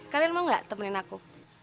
kalian mau gak temenin aku